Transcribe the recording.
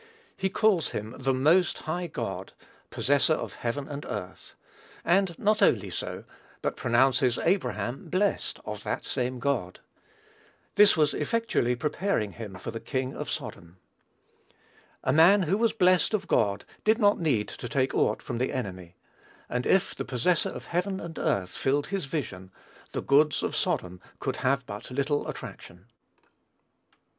He calls him "the most high God, possessor of heaven and earth;" and not only so, but pronounces Abraham "blessed" of that same God. This was effectually preparing him for the king of Sodom. A man who was "blessed" of God did not need to take aught from the enemy; and if "the possessor of heaven and earth" filled his vision, "the goods" of Sodom could have but little attraction.